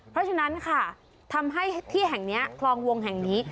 เพราะฉะนั้นค่ะทำให้ที่แห่งนี้คลองวงแห่งนี้